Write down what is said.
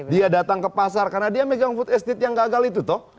dia datang ke pasar karena dia megang food estate yang gagal itu toh